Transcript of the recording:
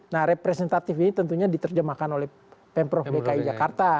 nah representatif ini tentunya diterjemahkan oleh pemprov dki jakarta